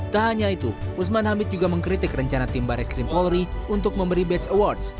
tahunya itu usman hamid juga mengkritik rencana timba reskrim polri untuk memberi badge awards